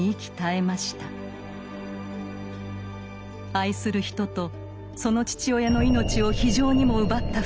愛する人とその父親の命を非情にも奪った２人。